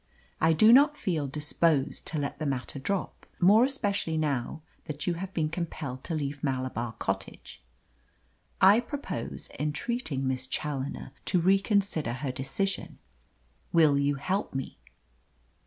I do not feel disposed to let the matter drop, more especially now that you have been compelled to leave Malabar Cottage. I propose entreating Miss Challoner to reconsider her decision. Will you help me?"